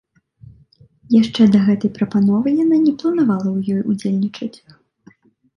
Яшчэ да гэтай прапановы яна не планавала ў ёй удзельнічаць.